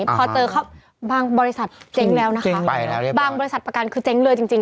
พอเจอเข้าบางบริษัทเจ๊งแล้วนะคะบางบริษัทประกันคือเจ๊งเลยจริง